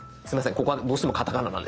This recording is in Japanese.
ここはどうしてもカタカナなんです。